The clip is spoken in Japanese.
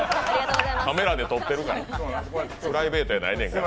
カメラで撮ってるからプライベートやないねんから。